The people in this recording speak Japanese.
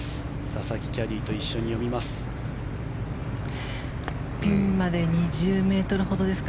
佐々木キャディーと一緒に読みます。